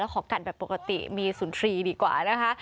ขอกัดแบบปกติมีสุนทรีย์ดีกว่านะคะ